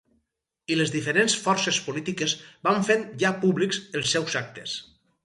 I les diferents forces polítiques van fent ja públics els seus actes.